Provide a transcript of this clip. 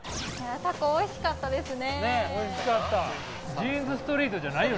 タコおいしかったですね。